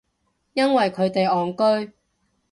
因為佢哋戇居